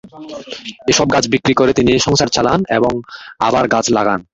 এসব গাছ বিক্রি করে তিনি সংসার চালান এবং আবার গাছ লাগান।